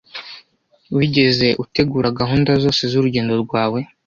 Wigeze utegura gahunda zose zurugendo rwawe?